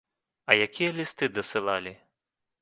А якія лісты дасылалі!